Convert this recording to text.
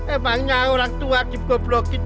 emangnya orang tua di goblokin